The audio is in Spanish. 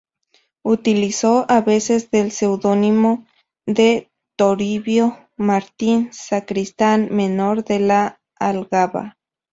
Utilizó a veces el seudónimo de "Toribio Martín, sacristán menor de La Algaba".